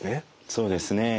そうですねえ。